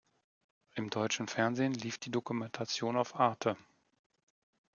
Im deutschen Fernsehen lief die Dokumentation auf arte.